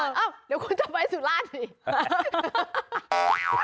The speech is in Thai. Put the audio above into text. เดี๋ยวคุณจะไปสุราชน์สิ